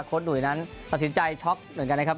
หนุ่ยนั้นตัดสินใจช็อกเหมือนกันนะครับ